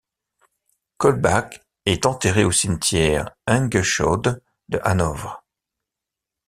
Kaulbach est enterré au cimetière Engesohde de Hanovre.